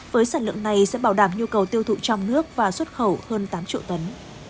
với sản lượng này sẽ bảo đảm nhu cầu tiêu thụ trong nước và xuất khẩu hơn tám triệu tấn